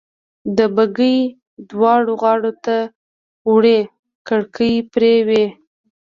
د بګۍ دواړو غاړو ته وړې کړکۍ پرې وې.